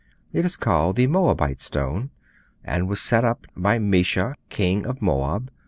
It is called 'The Moabite Stone,' and was set up by Mesha, king of Moab.